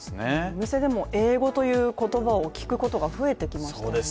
お店でもＡ５という言葉を聞くことが増えてきましたよね。